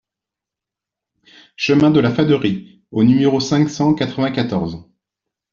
Chemin de Lafaderie au numéro cinq cent quatre-vingt-quatorze